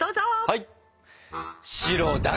はい！